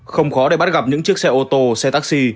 không khó để bắt gặp những chiếc xe ô tô xe taxi